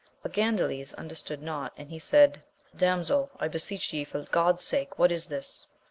But Gandales understood not, and he said, Damsel, I beseech ye for God's sake, what is this